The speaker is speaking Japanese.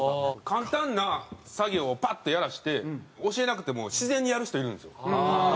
簡単な作業をパッとやらせて教えなくても自然にやる人いるんですよ。